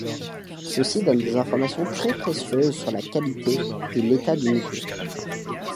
Ceci donne des informations très précieuses sur la qualité et l'état du milieu.